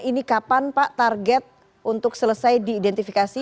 ini kapan pak target untuk selesai diidentifikasi